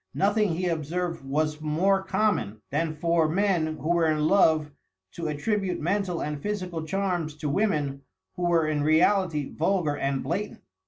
Nothing, he observed, was more common than for men who were in love to attribute mental and physical charms to women who were in reality vulgar and blatant.